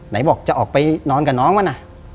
ไหนบอกจะออกไปนอนกับน้องมันนะ